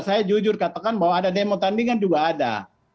saya jujur katakan bahwa ada demo tandingan juga ada